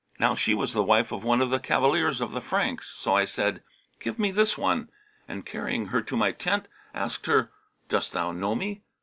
Now she was the wife of one of the cavaliers of the Franks. So I said, 'Give me this one,' and carrying her to my tent, asked her, 'Dost thou know me?'